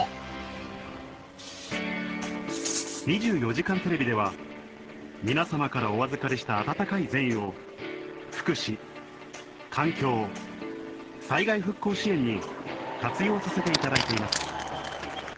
『２４時間テレビ』ではみなさまからお預かりした温かい善意を福祉・環境・災害復興支援に活用させていただいています